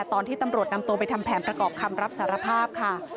ตอนที่ตำรวจนำตัวไปทำแผนประกอบคำรับสารภาพค่ะ